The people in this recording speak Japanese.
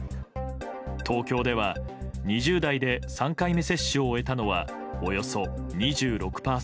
東京では、２０代で３回目接種を終えたのはおよそ２６％。